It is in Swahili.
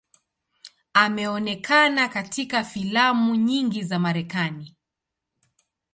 Ameonekana katika filamu nyingi za Marekani.